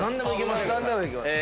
何でもいけます？